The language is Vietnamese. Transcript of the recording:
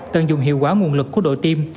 tận dụng hiệu quả nguồn lực của đội tiêm